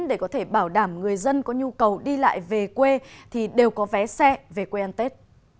để có thể bảo đảm người dân có nhu cầu đi lại về quê thì đều có vé xe về quê ăn tết